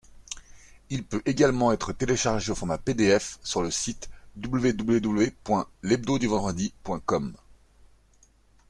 Il peut également être téléchargé au format pdf sur le site www.lhebdoduvendredi.com.